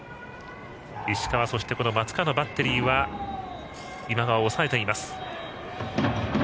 石川、松川のバッテリーは今川を抑えています。